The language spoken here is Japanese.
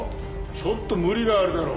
ちょっと無理があるだろう。